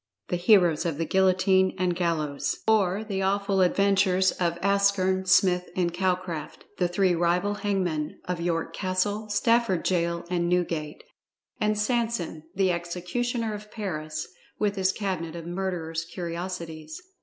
THE HEROES OF THE GUILLOTINE AND GALLOWS, OR, THE AWFUL ADVENTURES OF Askern, Smith and Calcraft, the Three Rival Hangmen Of York Castle, Stafford Gaol and Newgate; And SANSON, the Executioner of Paris, With his Cabinet of Murderer's Curiosities.